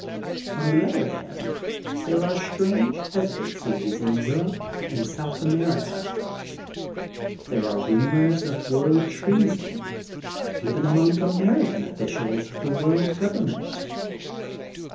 On the other hand there are strange hesitancies in Europe and South America. There are rumors of World Treason, even among American officials of the World Government.